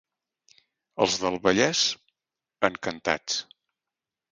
Els del Vallès, encantats.